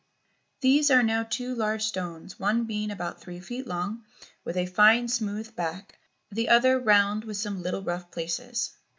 These are now two large stones, one being about three feet long with a fine smooth back, the other round with some little rough places.